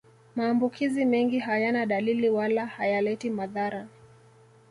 Maambukizi mengi hayana dalili wala hayaleti madhara